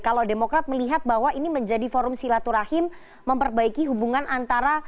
kalau demokrat melihat bahwa ini menjadi forum silaturahim memperbaiki hubungan antara